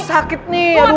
sakit nih aduh